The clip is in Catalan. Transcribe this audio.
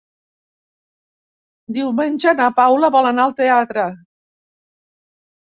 Diumenge na Paula vol anar al teatre.